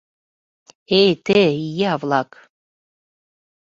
— Эй, те, ия-влак!